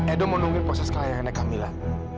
edo menunggu proses kelayangannya kamilah